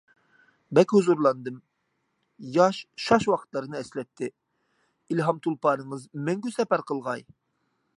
بەك ھۇزۇرلاندىم. ياش، شاش ۋاقىتلارنى ئەسلەتتى. ئىلھام تولپارىڭىز مەڭگۈ سەپەر قىلغاي.